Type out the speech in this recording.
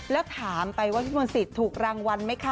แล้วถามไปว่าพี่มนต์สิทธิ์ถูกรางวัลไหมคะ